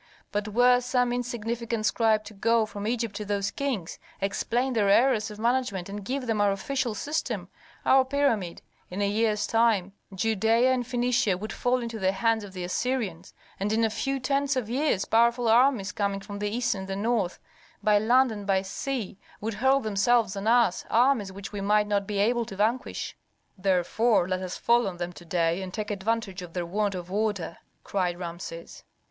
But were some insignificant scribe to go from Egypt to those kings, explain their errors of management, and give them our official system, our pyramid, in a year's time Judæa and Phœnicia would fall into the hands of the Assyrians, and in a few tens of years powerful armies, coming from the East and the North by land and by sea, would hurl themselves on us, armies which we might not be able to vanquish." "Therefore let us fall on them to day and take advantage of their want of order," cried Rameses.